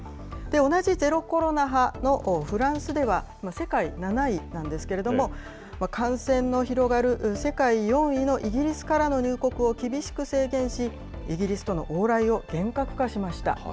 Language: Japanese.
同じゼロコロナ派のフランスでは、世界７位なんですけれども、感染の広がる世界４位のイギリスからの入国を厳しく制限し、イギリスとの往来を厳格化しました。